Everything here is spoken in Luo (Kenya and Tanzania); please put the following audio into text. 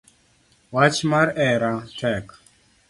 Wach mar hera tek